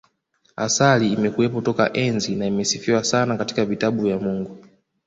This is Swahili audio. Asali imekuwepo toka enzi na imesifiwa sana hata katika vitabu vya Mungu